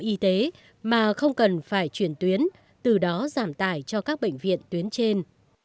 y tế mà không cần phải chuyển tuyến từ đó giảm tải cho các bệnh viện tuyến trên